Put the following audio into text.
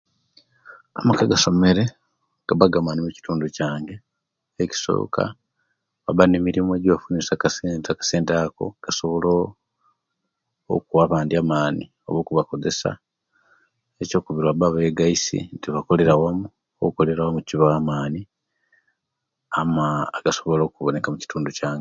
Amaka agasomere gaba gamani mukitundu kyange ekisoka baba nemirimu ejofunisya akasente akasente ako kasobola okuwa bandi amani olwo kubakozesa, ekyokubiri baba begaisi nti bakolera wamu kubawa amani agasobola okuwoneka mukitundu